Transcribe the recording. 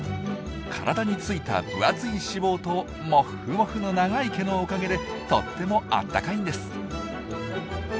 体についた分厚い脂肪とモッフモフの長い毛のおかげでとってもあったかいんです。